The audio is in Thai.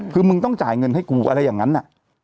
คือมึงต้องจ่ายเงินให้กูอะไรอย่างนั้น